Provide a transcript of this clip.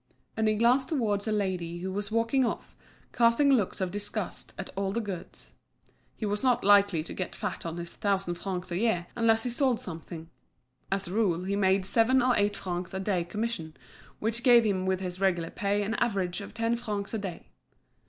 And he glanced towards a lady who was walking off, casting looks of disgust at all the goods. He was not likely to get fat on his thousand francs a year, unless he sold something; as a rule he made seven or eight francs a day commission, which gave him with his regular pay an average of ten francs a day.